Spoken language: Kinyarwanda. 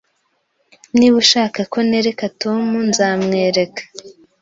Niba ushaka ko nereka Tom, nzamwereka